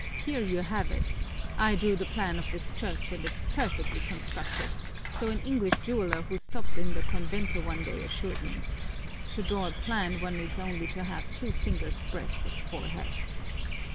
Here you have it I drew the plan of this church and it's perfectly constructed, so an English jeweler who stopped in the convento one day assured me. To draw a plan one needs only to have two fingers' breadth of forehead."